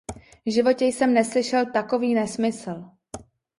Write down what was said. V životě jsem neslyšel takový nesmysl.